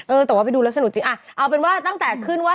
แต่ว่าไปดูแล้วสนุกจริงอ่ะเอาเป็นว่าตั้งแต่ขึ้นว่า